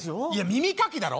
耳かきだろ？